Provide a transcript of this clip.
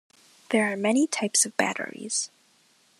There are many types of batteries.